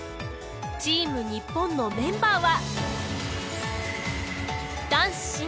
チーム日本のメンバーは。